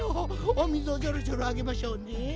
おみずをじょろじょろあげましょうね。